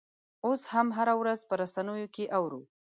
اوس هم هره ورځ په رسنیو کې اورو.